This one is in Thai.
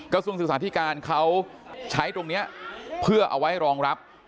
กระทรวงศึกษาธิการเขาใช้ตรงนี้เพื่อเอาไว้รองรับ